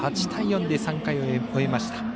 ８対４で３回を終えました。